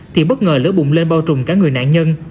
thì bất ngờ lỡ bụng lên bao trùm cả người nạn nhân